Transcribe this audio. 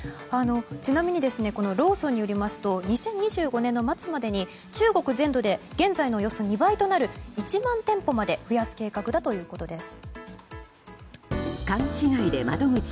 ちなみにローソンによりますと２０２５年末までに中国全土で現在のおよそ２倍となる１万店舗まで増やす計画だということです。